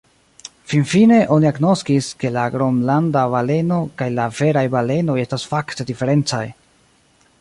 Finfine, oni agnoskis, ke la Gronlanda baleno kaj la veraj balenoj estas fakte diferencaj.